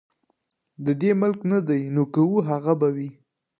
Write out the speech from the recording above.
د دې ملک نه دي نو که وه هغه به وي.